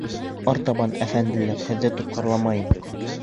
Артабан, әфәнделәр, һеҙҙе тотҡарламайым.